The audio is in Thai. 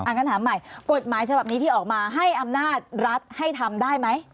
งั้นถามใหม่กฎหมายฉบับนี้ที่ออกมาให้อำนาจรัฐให้ทำได้ไหม